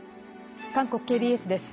韓国ＫＢＳです。